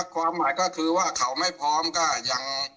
ความหมายก็คือว่าเขาไม่พร้อมก็ยัง